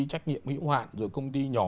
trách nhiệm hiệu hoạn rồi công ty nhỏ